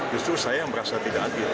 justru saya yang merasa tidak adil